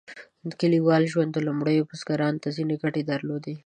کلیوال ژوند لومړنیو بزګرانو ته ځینې ګټې درلودې.